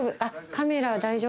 カメラは大丈夫で。